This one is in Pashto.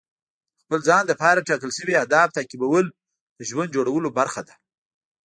د خپل ځان لپاره ټاکل شوي اهداف تعقیبول د ژوند جوړولو برخه ده.